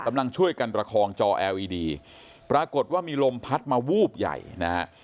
กำลังช่วยกันประคองจอแอร์อีดีปรากฏว่ามีลมพัดมาวูบใหญ่นะฮะ